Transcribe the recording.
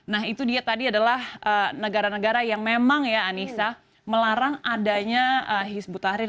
nah itu dia tadi adalah negara negara yang memang ya anissa melarang adanya hizbut tahrir